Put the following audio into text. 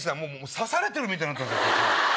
刺されてるみたいになってますよ顔。